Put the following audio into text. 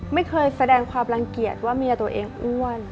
ไม่เคยแสดงความรังเกียจว่าเมียตัวเองอ้วน